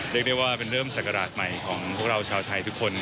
เรียกได้ว่าเป็นเริ่มศักราชใหม่ของพวกเราชาวไทยทุกคน